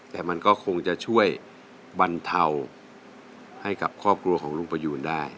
แต่มันก็คงจะช่วยบรรเทาให้กับครอบครัวของลุงประยูนได้